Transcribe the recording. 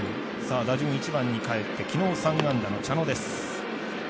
打順、１番にかえって昨日３安打の茶野です。